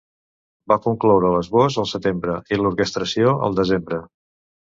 Va concloure l'esbós al setembre i l'orquestració al desembre.